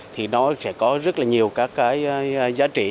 thì nó sẽ có rất là nhiều các cái giá trị